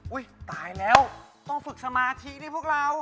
ตายแล้วต้องฝึกสมาธิด้วยพวกเรา